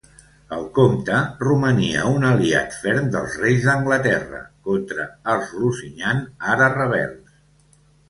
El comte romania un aliat ferm dels reis d'Anglaterra contra els Lusignan ara rebels.